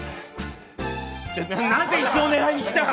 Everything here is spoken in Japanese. なぜ椅子を狙いに来た？